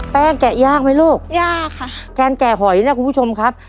แกะยากไหมลูกยากค่ะการแกะหอยนะคุณผู้ชมครับ